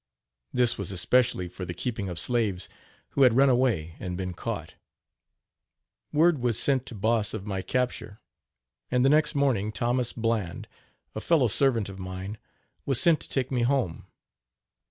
This was especially for the keeping of slaves who had run away and been caught. Word was sent to Boss of my capture; and the next morning Thomas Bland, a fellow servant of mine, was sent to take me home.